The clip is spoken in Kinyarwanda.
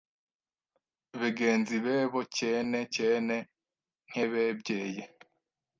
begenzi bebo cyene cyene nk’ebebyeye